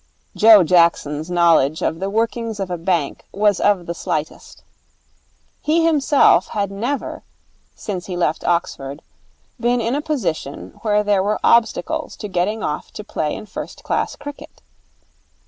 Joe Jackson's knowledge of the workings of a bank was of the slightest. He himself had never, since he left Oxford, been in a position where there were obstacles to getting off to play in first class cricket.